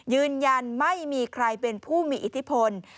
ยืนยันไม่มีใครเป็นผู้มีอิทธิพล